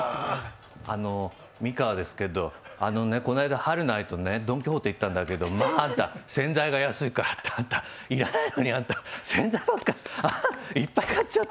あの、美川ですけど、あのね、この間はるな愛とドン・キホーテ行ったんだけどま、あーた、洗剤が安いからってあーた、要らないのに洗剤ばっかりいっぱい買っちゃった。